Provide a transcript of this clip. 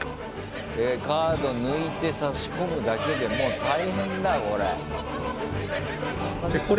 カード抜いて差し込むだけでもう大変だよこれ。